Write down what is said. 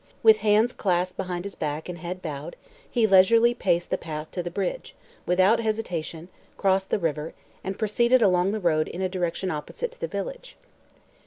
With hands clasped behind his back and head bowed, he leisurely paced the path to the bridge, without hesitation crossed the river and proceeded along the road in a direction opposite to the village.